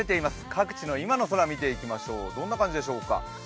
各地の今の空を見ていきましょう、どんな感じなんでしょうか？